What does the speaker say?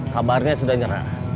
kabarnya sudah nyerah